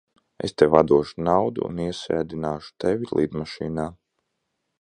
Es tev atdošu naudu un iesēdināšu tevi lidmašīnā.